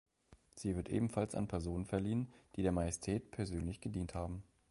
Sie wird ebenfalls an Personen verliehen, die der Majestät persönlich gedient haben.